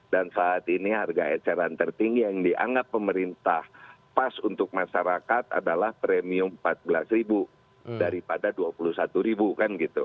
dan saat ini harga eceran tertinggi yang dianggap pemerintah pas untuk masyarakat adalah premium rp empat belas daripada rp dua puluh satu kan gitu